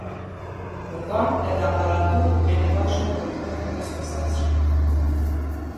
Mungon edhe aparatur ë nevojshme për punë me të sukseshme.